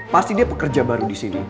pasti dia pekerja baru di sini